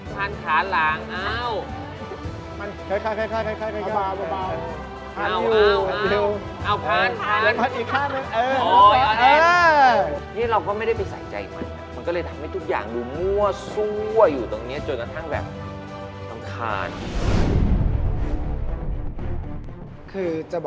พันขาหลังอ้าว